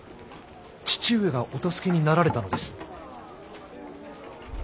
父上がお助けになられたのです。